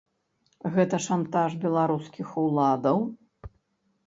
Гэта шантаж беларускіх уладаў?